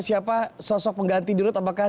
siapa sosok pengganti dirut apakah